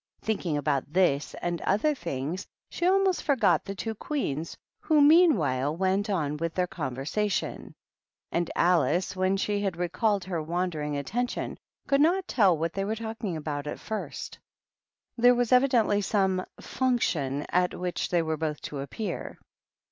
Think ing about this and other things, she almost forgot the two Queens, who, meanwhile, went on with their conversation ; and Alice, when she had re called her wandering attention, could not tell what they were talking about at first. There was evidently some "function" at which they were both to appear.